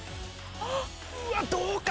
うわっどうか？